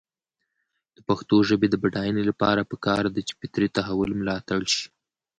د پښتو ژبې د بډاینې لپاره پکار ده چې فطري تحول ملاتړ شي.